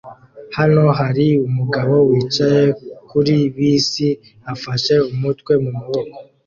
Hano hari umugabo wicaye kuri bisi afashe umutwe mumaboko